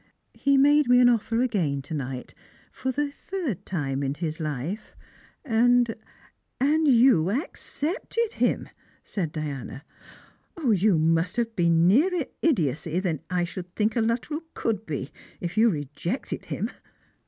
He made me an offer again to night, for the third time in his life, and "" And you accepted him," said Diana. " You must have been nearer idiotcy than I should think a Luttrell could be, if you rejected him."